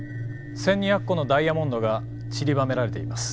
１，２００個のダイヤモンドがちりばめられています。